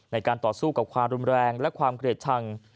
ในการต่อสู้กับความรุนแรงและความเกลียดชัง